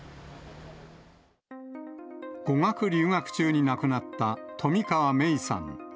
語学留学中に亡くなった冨川芽生さん